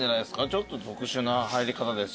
ちょっと特殊な入り方ですし。